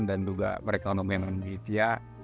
dan juga perekonomian indonesia